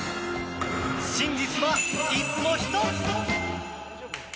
真実は、いつも１つ。